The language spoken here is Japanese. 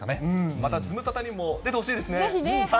またズムサタにも出てほしいぜひね。